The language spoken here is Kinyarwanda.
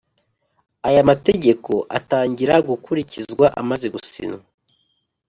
Aya mategeko atangira gukurikizwa amaze gusinywa